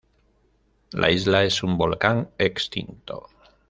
La isla es un volcán extinto.